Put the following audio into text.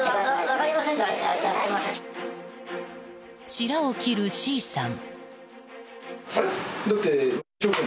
しらを切るＣさん。